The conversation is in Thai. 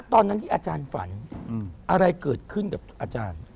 ตอนนั้นที่อาจารย์ฝันอะไรเกิดขึ้นกับอาจารย์